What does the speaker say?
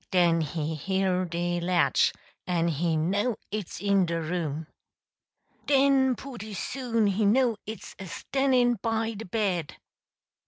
Den he hear de latch, en he know it's in de room! Den pooty soon he know it's a stannin' by de bed!